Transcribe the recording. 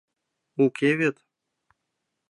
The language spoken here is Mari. Уке вет?!.